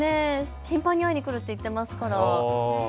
頻繁に会いに来るって言っていますからね。